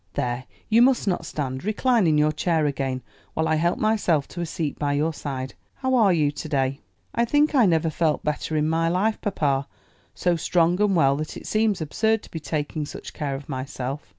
There, you must not stand, recline in your chair again, while I help myself to a seat by your side. How are you to day?" "I think I never felt better in my life, papa; so strong and well that it seems absurd to be taking such care of myself."